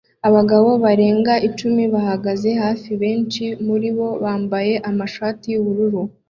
Abagabo barenga icumi bahagaze hafi; benshi muribo bambaye amashati yubururu